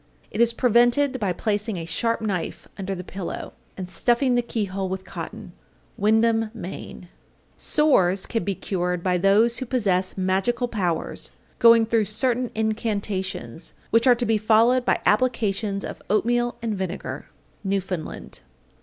It is prevented by placing a sharp knife under the pillow, and stuffing the keyhole with cotton. Windham, Me. 828. Sores can be cured by those who possess magical powers going through certain incantations, which are to be followed by applications of oatmeal and vinegar. _Newfoundland.